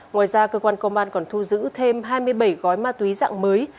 ngoài ra cơ quan công an còn thu giữ thêm hai mươi bảy gói ma túy dạng mới